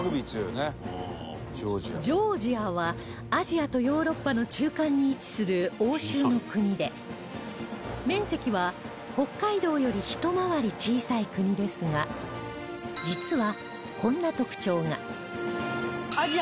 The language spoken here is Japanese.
ジョージアはアジアとヨーロッパの中間に位置する欧州の国で面積は北海道よりひと回り小さい国ですが実はこんな特徴が